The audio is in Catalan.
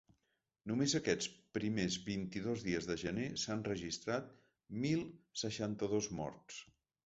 Només aquests primers vint-i-dos dies de gener, s’han registrat mil seixanta-dos morts.